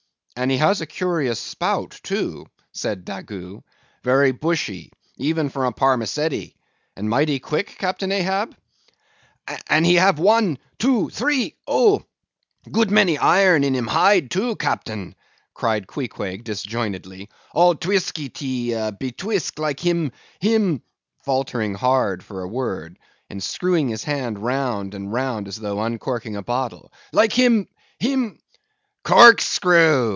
"And has he a curious spout, too," said Daggoo, "very bushy, even for a parmacetty, and mighty quick, Captain Ahab?" "And he have one, two, three—oh! good many iron in him hide, too, Captain," cried Queequeg disjointedly, "all twiske tee be twisk, like him—him—" faltering hard for a word, and screwing his hand round and round as though uncorking a bottle—"like him—him—" "Corkscrew!"